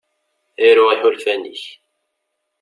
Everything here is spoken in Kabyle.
Aru iḥulfan-ik.